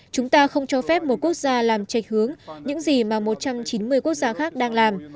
chúng ta không cho phép một quốc gia làm trạch hướng những gì mà một trăm chín mươi quốc gia khác đang làm